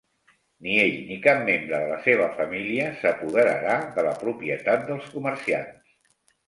Ni ell ni cap membre de la seva família s'apoderarà de la propietat dels comerciants.